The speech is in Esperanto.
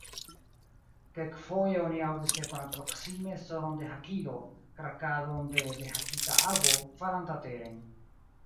Kelkfoje oni aŭdis de malproksime sonon de hakilo, krakadon de dehakita arbo, falanta teren.